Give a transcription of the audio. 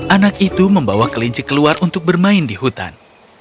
anak itu membawa kelinci keluar untuk bermain di hutan